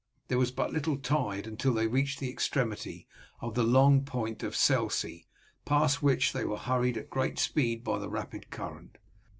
There was but little tide until they reached the extremity of the long point of Selsea, past which they were hurried at great speed by the rapid current.